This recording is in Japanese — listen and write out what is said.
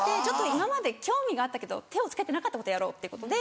今まで興味があったけど手を付けてなかったことやろうっていうことで。